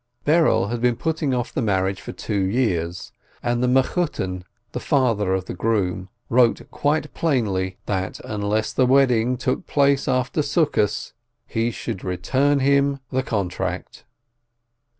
Berel had been putting off the marriage for two years, and the Mechutton wrote quite plainly, that unless the wedding took place after Tabernacles, he should return him the contract.